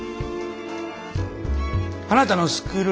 あなたのスクール